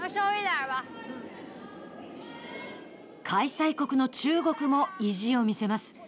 開催国の中国も意地を見せます。